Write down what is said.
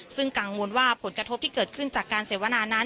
ซึ่งกังวลว่าผลกระทบที่เกิดขึ้นจากการเสวนานั้น